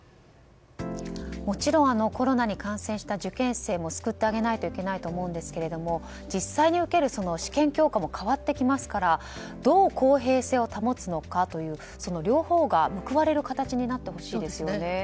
もちろんコロナに感染した受験生も救ってあげないといけないと思うんですけど実際に受ける試験教科も変わってきますからどう公平性を保つのかという両方が報われる形になってほしいですよね。